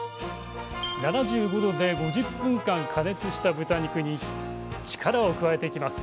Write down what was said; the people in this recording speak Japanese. ℃で５０分間加熱した豚肉に力を加えていきます。